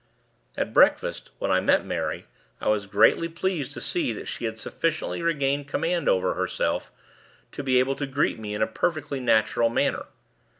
At breakfast, when I met Mary, I was greatly pleased to see that she had sufficiently regained command over herself, to be able to greet me in a perfectly natural manner.